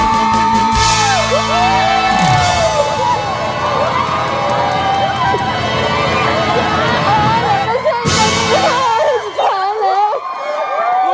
หลงได้เลยครับ